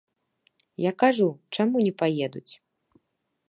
Я кажу, чаму не паедуць?